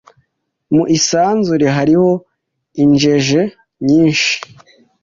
Mu isanzure hariho injeje nyinshi.